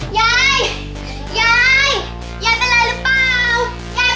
ยายยายยหยายกลับอะไรรึเปล่ายายยาย